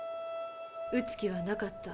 うつ気はなかった。